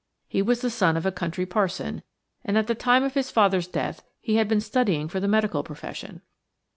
He was the son of a country parson, and at the time of his father's death he had been studying for the medical profession.